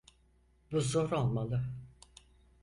Bu zor olmalı.